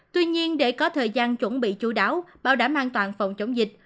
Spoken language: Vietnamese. tuy nhiên để có thời gian chuẩn bị chú đáo bảo đảm an toàn phòng chống dịch